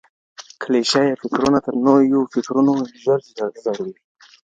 کليشه يي فکرونه تر نويو فکرونو ژر زړيږي.